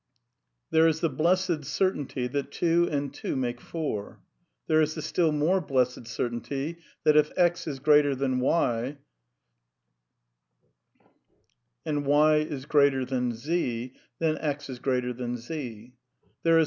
There is the blessed certainty that two and two make four. There is the still more blessed certainty that if X is greater than T and Y is greater than Z, then X is greater than Z.